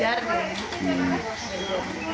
ya harganya wajar